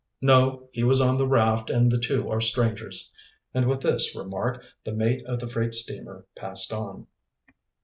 "No, he was on the raft and the two are strangers;" and with this remark the mate of the freight steamer passed on.